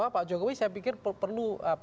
pak jokowi saya pikir perlu